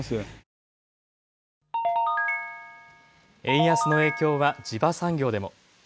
円安の影響は地場産業でも。